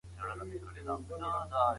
دا ټېکنالوژي زدهکړه اسانه کوي.